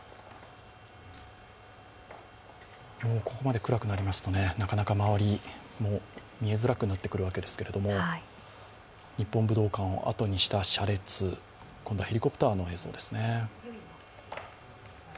ここまで暗くなりますと、なかなか周りも見えづらくなってくるわけですけれども、日本武道館を後にした車列今度はヘリコプターの映像ですね。